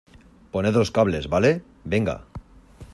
poned los cables, ¿ vale? venga.